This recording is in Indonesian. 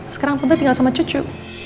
sekarang tante tinggal sama cucu